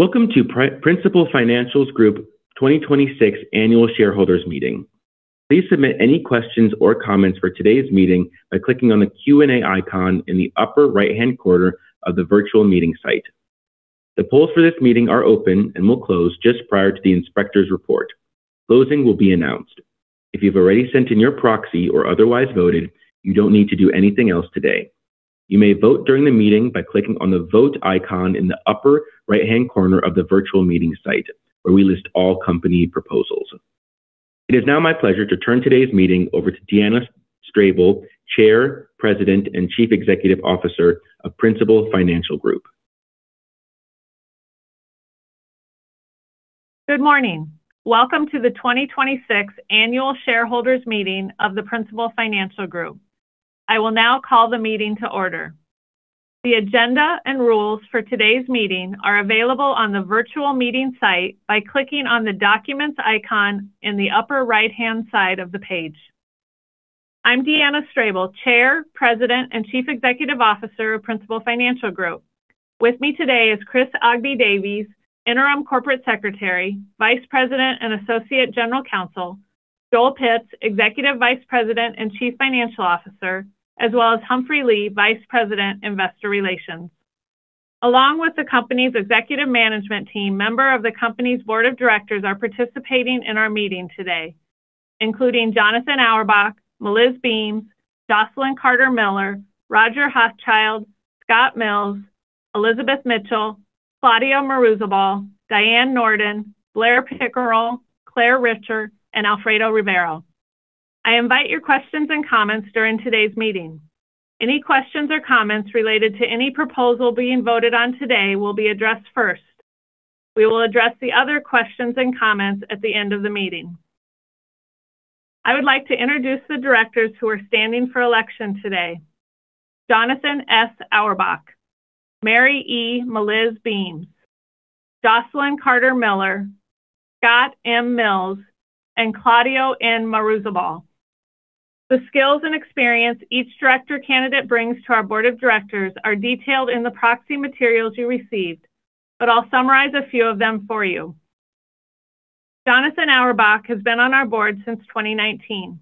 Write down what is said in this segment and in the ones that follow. Welcome to Principal Financial Group 2026 Annual Shareholders Meeting. Please submit any questions or comments for today's meeting by clicking on the Q&A icon in the upper right-hand corner of the virtual meeting site. The polls for this meeting are open and will close just prior to the inspector's report. Closing will be announced. If you've already sent in your proxy or otherwise voted, you don't need to do anything else today. You may vote during the meeting by clicking on the Vote icon in the upper right-hand corner of the virtual meeting site, where we list all company proposals. It is now my pleasure to turn today's meeting over to Deanna Strable, Chair, President, and Chief Executive Officer of Principal Financial Group. Good morning. Welcome to the 2026 Annual Shareholders Meeting of Principal Financial Group. I will now call the meeting to order. The agenda and rules for today's meeting are available on the virtual meeting site by clicking on the Documents icon in the upper right-hand side of the page. I'm Deanna Strable, Chair, President, and Chief Executive Officer of Principal Financial Group. With me today is Chris Agbe-Davies, Interim Corporate Secretary, Vice President, and Associate General Counsel, Joel Pitz, Executive Vice President and Chief Financial Officer, as well as Humphrey Lee, Vice President, Investor Relations. Along with the company's executive management team, member of the company's Board of Directors are participating in our meeting today, including Jonathan Auerbach, Mary Beams, Jocelyn Carter-Miller, Roger Hochschild, Scott Mills, Elizabeth Mitchell, Claudio Muruzabal, Diane Nordin, Blair Pickerell, Clare Richer, and Alfredo Rivera. I invite your questions and comments during today's meeting. Any questions or comments related to any proposal being voted on today will be addressed first. We will address the other questions and comments at the end of the meeting. I would like to introduce the directors who are standing for election today. Jonathan S. Auerbach, Mary E."Maliz" Beams, Jocelyn Carter-Miller, Scott M. Mills, and Claudio N. Muruzabal. The skills and experience each director candidate brings to our board of directors are detailed in the proxy materials you received, but I'll summarize a few of them for you. Jonathan Auerbach has been on our board since 2019.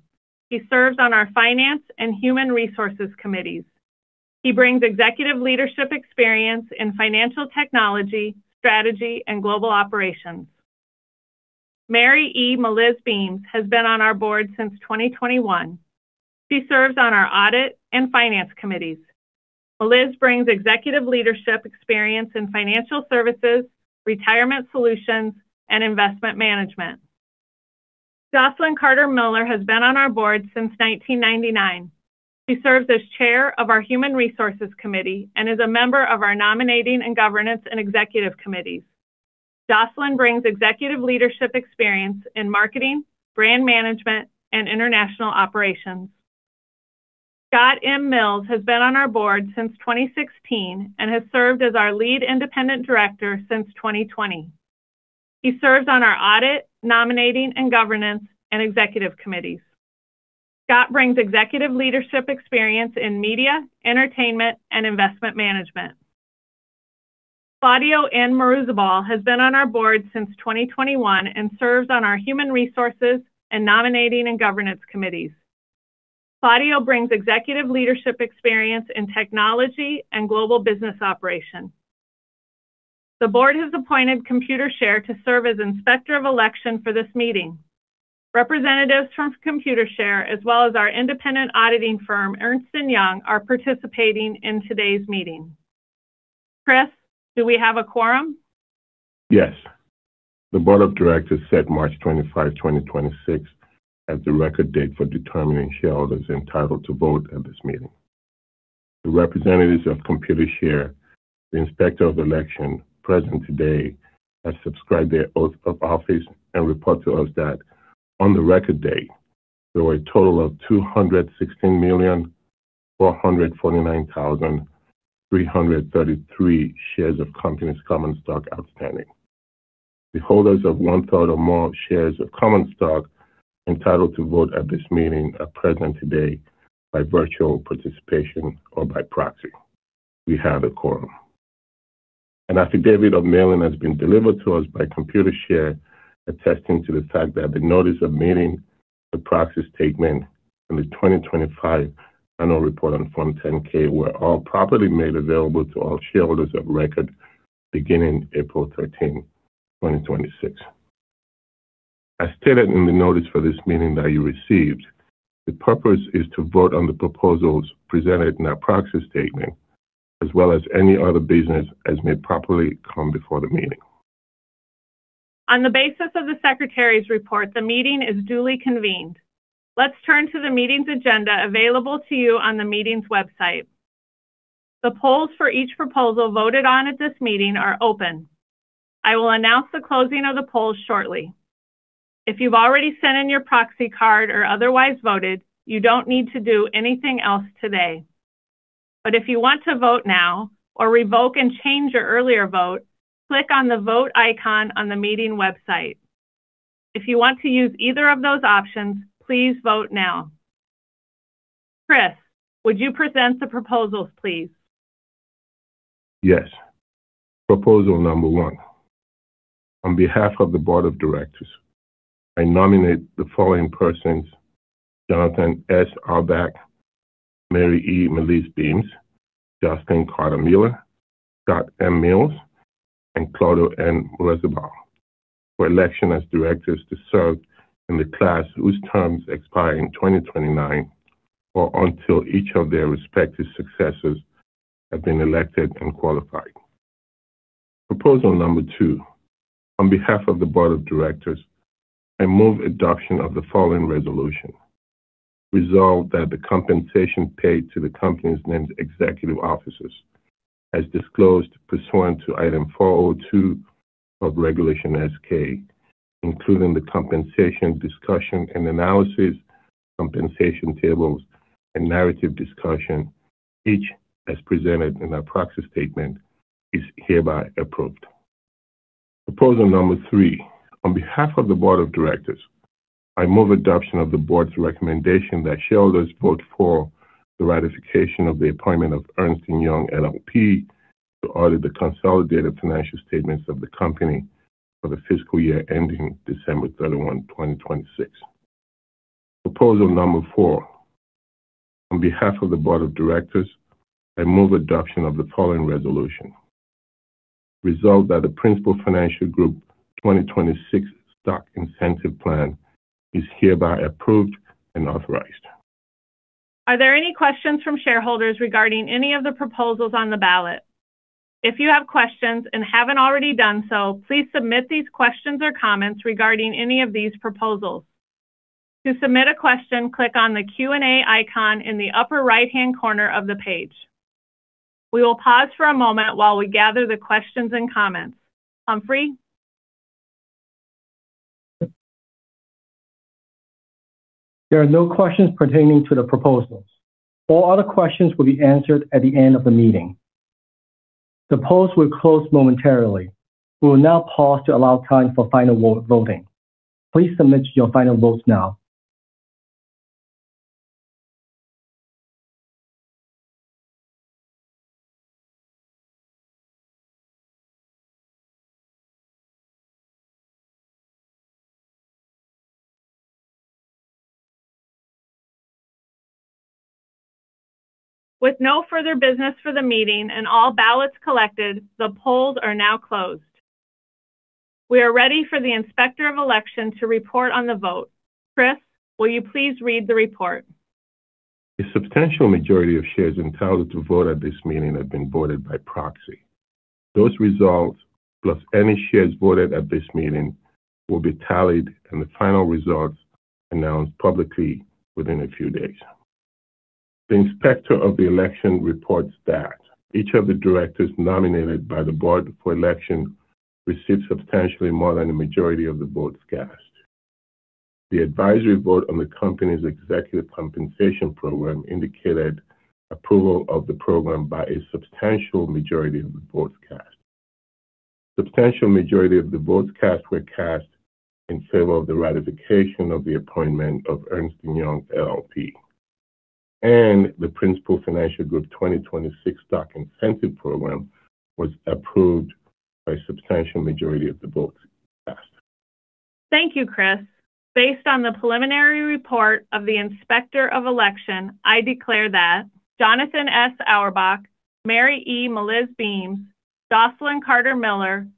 He serves on our Finance and Human Resources Committees. He brings executive leadership experience in financial technology, strategy, and global operations. Mary E. "Maliz" Beams has been on our board since 2021. She serves on our Audit and Finance Committees. Maliz brings executive leadership experience in financial services, retirement solutions, and investment management. Jocelyn Carter-Miller has been on our board since 1999. She serves as Chair of our Human Resources Committee and is a member of our Nominating & Governance and Executive Committees. Jocelyn Carter-Miller brings executive leadership experience in marketing, brand management, and international operations. Scott M. Mills has been on our board since 2016 and has served as our Lead Independent Director since 2020. He serves on our Audit, Nominating & Governance, and Executive Committees. Scott brings executive leadership experience in media, entertainment, and investment management. Claudio N. Muruzabal has been on our board since 2021 and serves on our Human Resources and Nominating & Governance Committees. Claudio brings executive leadership experience in technology and global business operations. The board has appointed Computershare to serve as Inspector of Election for this meeting. Representatives from Computershare, as well as our independent auditing firm, Ernst & Young, are participating in today's meeting. Chris, do we have a quorum? Yes. The board of directors set March 25, 2026, as the record date for determining shareholders entitled to vote at this meeting. The representatives of Computershare, the Inspector of Election present today, have subscribed their oath of office and report to us that on the record date, there were a total of 216,449,333 shares of company's common stock outstanding. The holders of 1/3 or more shares of common stock entitled to vote at this meeting are present today by virtual participation or by proxy. We have a quorum. An affidavit of mailing has been delivered to us by Computershare attesting to the fact that the notice of meeting, the proxy statement, and the 2025 Annual Report on Form 10-K were all properly made available to all shareholders of record beginning April 13, 2026. As stated in the notice for this meeting that you received, the purpose is to vote on the proposals presented in our proxy statement, as well as any other business as may properly come before the meeting. On the basis of the secretary's report, the meeting is duly convened. Let's turn to the meeting's agenda available to you on the meeting website. The polls for each proposal voted on at this meeting are open. I will announce the closing of the polls shortly. If you've already sent in your proxy card or otherwise voted, you don't need to do anything else today. If you want to vote now or revoke and change your earlier vote, click on the Vote icon on the meeting website. If you want to use either of those options, please vote now, Chris, would you present the proposals, please? Yes. Proposal number one. On behalf of the Board of Directors, I nominate the following persons, Jonathan S. Auerbach, Mary E. "Maliz" Beams, Jocelyn Carter-Miller, Scott M. Mills, and Claudio N. Muruzabal, for election as directors to serve in the class whose terms expire in 2029, or until each of their respective successors have been elected and qualified. Proposal number two. On behalf of the Board of Directors, I move adoption of the following resolution. Resolve that the compensation paid to the company's named executive officers, as disclosed pursuant to item 402 of Regulation S-K, including the Compensation Discussion and Analysis, compensation tables, and narrative discussion, each as presented in our proxy statement, is hereby approved. Proposal number three. On behalf of the Board of Directors, I move adoption of the board's recommendation that shareholders vote for the ratification of the appointment of Ernst & Young LLP to audit the consolidated financial statements of the company for the fiscal year ending December 31, 2026. Proposal number four. On behalf of the Board of Directors, I move adoption of the following resolution. Resolve that the Principal Financial Group 2026 Stock Incentive Plan is hereby approved and authorized. Are there any questions from shareholders regarding any of the proposals on the ballot? If you have questions and haven't already done so, please submit these questions or comments regarding any of these proposals. To submit a question, click on the Q&A icon in the upper right-hand corner of the page. We will pause for a moment while we gather the questions and comments. Humphrey? There are no questions pertaining to the proposals. All other questions will be answered at the end of the meeting. The polls will close momentarily. We will now pause to allow time for final voting. Please submit your final votes now. With no further business for the meeting and all ballots collected, the polls are now closed. We are ready for the Inspector of Election to report on the vote. Chris, will you please read the report? A substantial majority of shares entitled to vote at this meeting have been voted by proxy. Those results, plus any shares voted at this meeting, will be tallied and the final results announced publicly within a few days. The Inspector of the Election reports that each of the directors nominated by the board for election received substantially more than a majority of the votes cast. The advisory vote on the company's executive compensation program indicated approval of the program by a substantial majority of the votes cast. Substantial majority of the votes cast were cast in favor of the ratification of the appointment of Ernst & Young LLP, and the Principal Financial Group 2026 Stock Incentive Program was approved by substantial majority of the votes cast. Thank you, Chris. Based on the preliminary report of the Inspector of Election, I declare that Jonathan S. Auerbach, Mary E. "Maliz" Beams, Jocelyn Carter-Miller,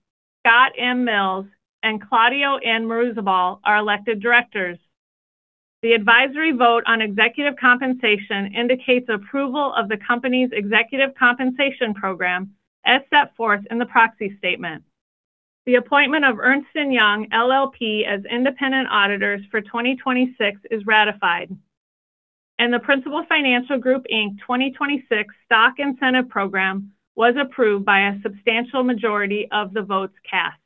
Scott M. Mills, and Claudio N. Muruzabal are elected directors. The advisory vote on executive compensation indicates approval of the company's executive compensation program as set forth in the proxy statement. The appointment of Ernst & Young LLP as independent auditors for 2026 is ratified. The Principal Financial Group, Inc. 2026 stock incentive program was approved by a substantial majority of the votes cast.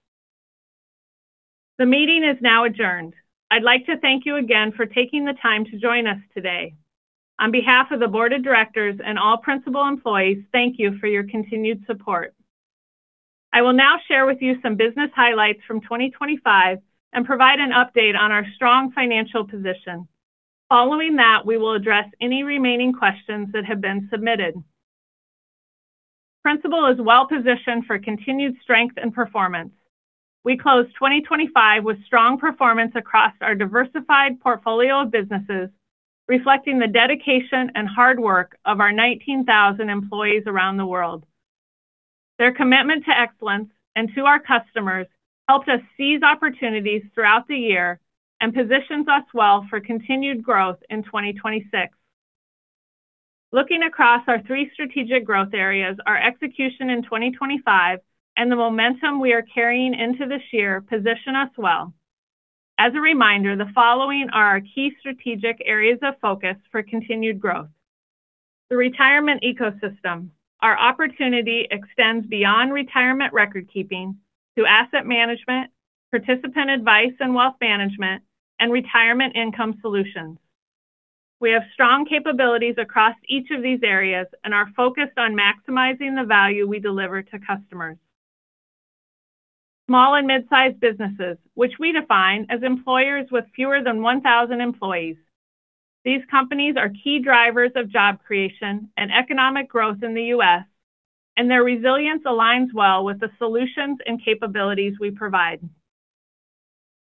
The meeting is now adjourned. I'd like to thank you again for taking the time to join us today. On behalf of the Board of Directors and all Principal employees, thank you for your continued support. I will now share with you some business highlights from 2025 and provide an update on our strong financial position. Following that, we will address any remaining questions that have been submitted. Principal is well-positioned for continued strength and performance. We closed 2025 with strong performance across our diversified portfolio of businesses, reflecting the dedication and hard work of our 19,000 employees around the world. Their commitment to excellence and to our customers helped us seize opportunities throughout the year and positions us well for continued growth in 2026. Looking across our three strategic growth areas, our execution in 2025 and the momentum we are carrying into this year position us well. As a reminder, the following are our key strategic areas of focus for continued growth. The retirement ecosystem. Our opportunity extends beyond retirement recordkeeping to asset management, participant advice and wealth management, and retirement income solutions. We have strong capabilities across each of these areas and are focused on maximizing the value we deliver to customers. Small and mid-sized businesses, which we define as employers with fewer than 1,000 employees. These companies are key drivers of job creation and economic growth in the U.S., and their resilience aligns well with the solutions and capabilities we provide.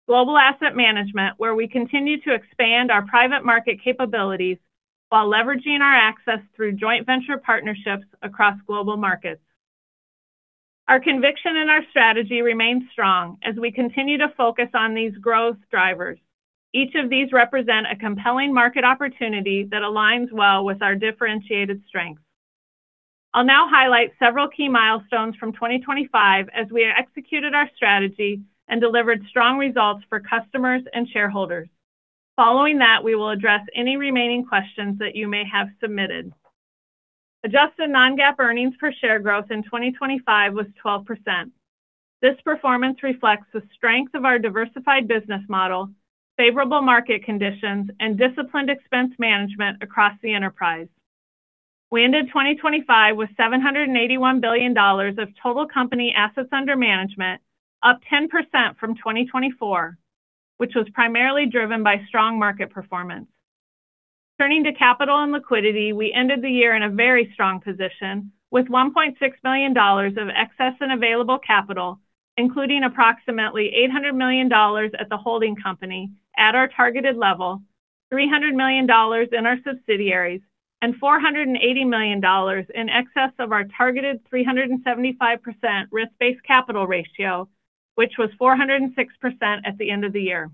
Global asset management, where we continue to expand our private market capabilities while leveraging our access through joint venture partnerships across global markets. Our conviction and our strategy remain strong as we continue to focus on these growth drivers. Each of these represent a compelling market opportunity that aligns well with our differentiated strengths. I'll now highlight several key milestones from 2025 as we executed our strategy and delivered strong results for customers and shareholders. Following that, we will address any remaining questions that you may have submitted. Adjusted non-GAAP earnings per share growth in 2025 was 12%. This performance reflects the strength of our diversified business model, favorable market conditions, and disciplined expense management across the enterprise. We ended 2025 with $781 billion of total company assets under management, up 10% from 2024, which was primarily driven by strong market performance. Turning to capital and liquidity, we ended the year in a very strong position with $1.6 million of excess and available capital, including approximately $800 million at the holding company at our targeted level, $300 million in our subsidiaries, and $480 million in excess of our targeted 375% risk-based capital ratio, which was 406% at the end of the year.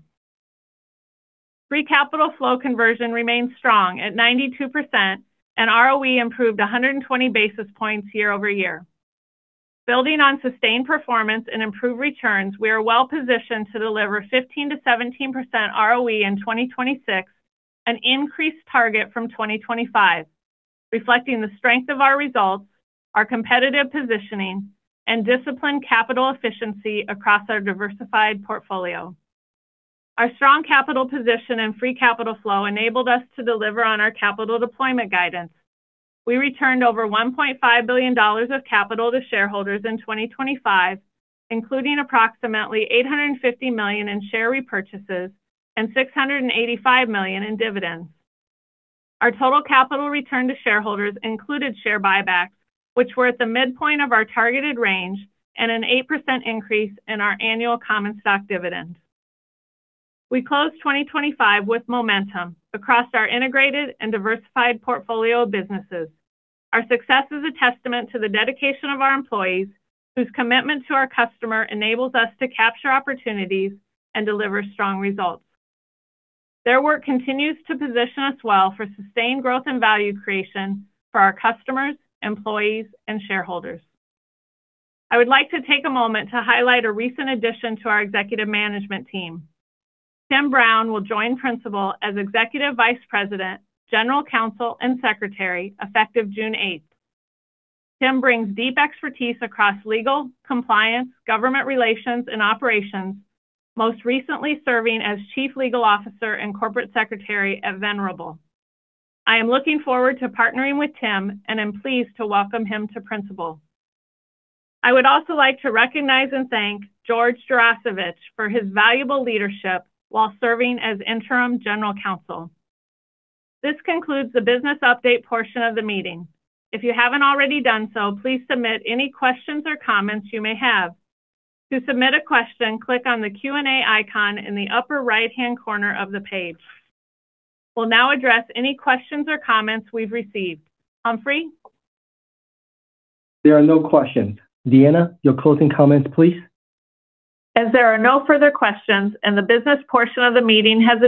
Free cash flow conversion remains strong at 92%, and ROE improved 120 basis points year-over-year. Building on sustained performance and improved returns, we are well-positioned to deliver 15%-17% ROE in 2026, an increased target from 2025, reflecting the strength of our results, our competitive positioning, and disciplined capital efficiency across our diversified portfolio. Our strong capital position and free cash flow enabled us to deliver on our capital deployment guidance. We returned over $1.5 billion of capital to shareholders in 2025, including approximately $850 million in share repurchases and $685 million in dividends. Our total capital return to shareholders included share buybacks, which were at the midpoint of our targeted range and an 8% increase in our annual common stock dividend. We closed 2025 with momentum across our integrated and diversified portfolio of businesses. Our success is a testament to the dedication of our employees, whose commitment to our customer enables us to capture opportunities and deliver strong results. Their work continues to position us well for sustained growth and value creation for our customers, employees, and shareholders. I would like to take a moment to highlight a recent addition to our executive management team. Tim Brown will join Principal as Executive Vice President, General Counsel, and Secretary effective June 8th. Tim brings deep expertise across legal, compliance, government relations, and operations, most recently serving as Chief Legal Officer and Corporate Secretary at Venerable. I am looking forward to partnering with Tim, and I'm pleased to welcome him to Principal. I would also like to recognize and thank George Djurasovic for his valuable leadership while serving as interim general counsel. This concludes the business update portion of the meeting. If you haven't already done so, please submit any questions or comments you may have. To submit a question, click on the Q&A icon in the upper right-hand corner of the page. We'll now address any questions or comments we've received. Humphrey? There are no questions. Deanna, your closing comments, please. As there are no further questions and the business portion of the meeting has been.